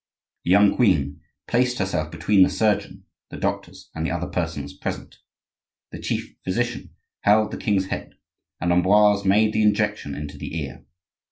The young queen placed herself between the surgeon, the doctors, and the other persons present. The chief physician held the king's head, and Ambroise made the injection into the ear.